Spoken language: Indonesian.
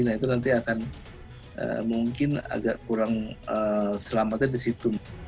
nah itu nanti akan mungkin agak kurang selamatnya di situ